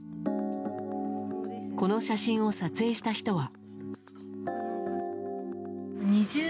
この写真を撮影した人は。